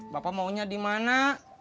bapak maunya dimana